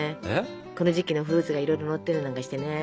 この時期のフルーツがいろいろのったりなんかしてね。